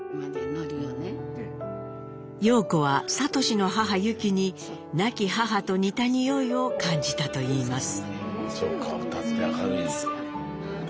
様子は智の母・ユキに亡き母と似たにおいを感じたと言います。